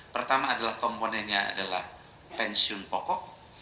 pertama adalah komponennya adalah pensiun pokok